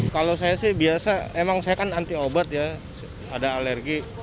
kalau saya sih biasa emang saya kan anti obat ya ada alergi